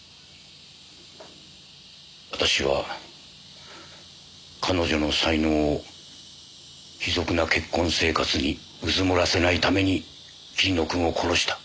私は彼女の才能を卑俗な結婚生活にうずもらせないために桐野君を殺した。